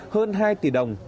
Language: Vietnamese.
hơn hai tỷ đồng